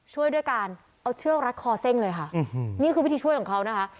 ช่วยด้วยการเอาเชือกรัดคอเซ่งเลยค่ะนี่คือวิธีช่วยของเขานะคะ